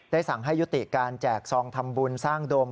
สั่งให้ยุติการแจกซองทำบุญสร้างโดม